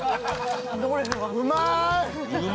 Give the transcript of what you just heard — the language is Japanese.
うまい！